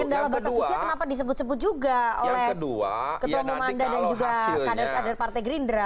kendala batas usia kenapa disebut sebut juga oleh ketua umum anda dan juga kader kader partai gerindra